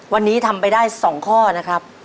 วันนี้ทำไปได้๒ข้อนะครับ